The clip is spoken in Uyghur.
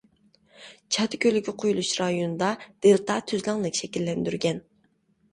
چاد كۆلىگە قۇيۇلۇش رايونىدا دېلتا تۈزلەڭلىك شەكىللەندۈرگەن.